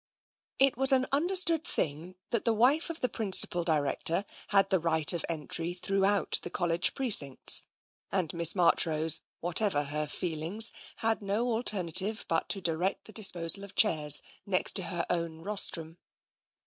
It was an understood thing that the wife of the principal director had the right of entry throughout the College precincts, and Miss Marchrose, whatever her feelings, had no alternative but to direct the dis posal of chairs next to her own rostrum.